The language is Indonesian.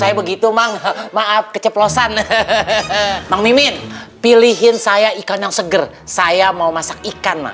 saya begitu bang maaf keceplosan bang mimin pilihin saya ikan yang seger saya mau masak ikan